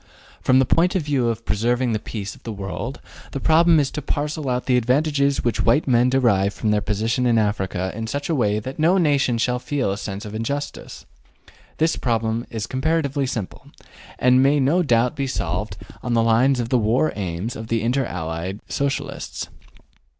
From the point of view of preserving the peace of the world, the problem is to parcel out the advantages which white men derive from their position in Africa in such a way that no nation shall feel a sense of injustice. This problem is comparatively simple, and might no doubt be solved on the lines of the war aims of the Inter Allied Socialists.